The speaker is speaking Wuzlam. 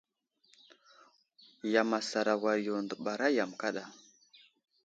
Yam asar a war yo, dəɓara yam kaɗa.